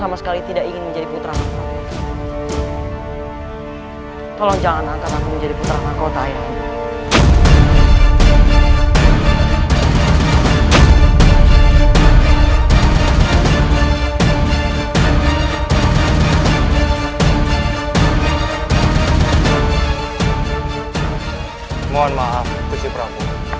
mohon maaf kusi prabu